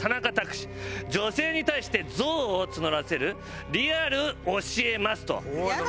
女性に対して憎悪を募らせるリアル教えますと。